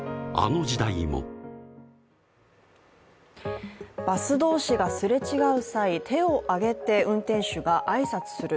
グループバス同士がすれ違う際、手を挙げて運転手が挨拶する。